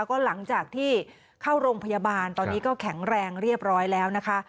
ก็หลังจากที่เข้าโรงพยาบาลตอนนี้ก็แข็งแรงเรียบร้อยแล้วนะคะ